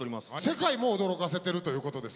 世界も驚かせてるということですよね。